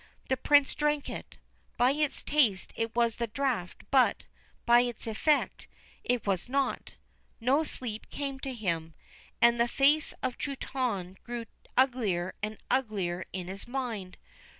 The Prince drank it. By its taste it was the draught, but, by its effect, it was not. No sleep came to him, and the face of Truitonne grew uglier and uglier in his mind.